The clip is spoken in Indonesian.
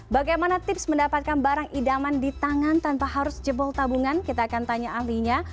bagaimana tips mendapatkan barang idaman di tangan tanpa harus jebol tabungan kita akan tanya ahlinya